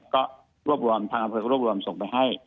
ก็รวบรวมทางอำเภอส่งไปให้